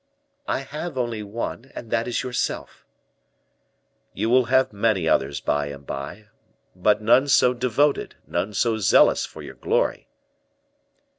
"I have only one, and that is yourself." "You will have many others by and by, but none so devoted, none so zealous for your glory."